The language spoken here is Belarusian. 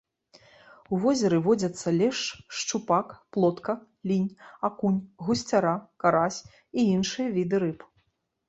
У возеры водзяцца лешч, шчупак, плотка, лінь, акунь, гусцяра, карась і іншыя віды рыб.